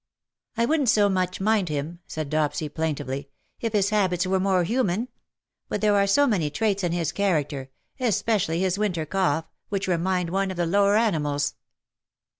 " I wouldn^t so much mind him," said Dopsy, plaintively, " if his habits were more human ; but there are so many traits in his character— especially his winter cough — which remind one of the lower animals."